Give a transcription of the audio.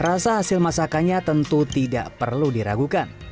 rasa hasil masakannya tentu tidak perlu diragukan